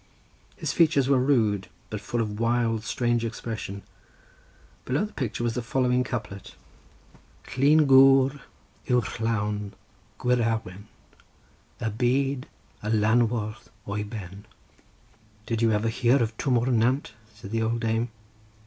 His features were rude, but full of wild, strange expression; below the picture was the following couplet:— "Llun Gwr yw llawn gwir Awen; Y Byd a lanwodd o'i Ben." "Did you ever hear of Twm o'r Nant?" said the old dame.